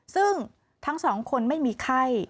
ซึ่งทั้งสองคนไม่มีไข้